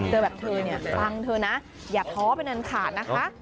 แบบเธอเนี่ยฟังเธอนะอย่าท้อเป็นอันขาดนะคะ